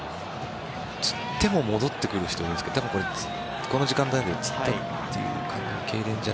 つっても戻ってくる人はいるんですけどただ、これ、この時間帯でつったという感じで。